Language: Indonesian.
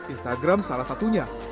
instagram salah satunya